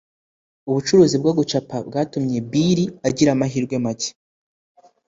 ubucuruzi bwo gucapa bwatumye bili agira amahirwe make.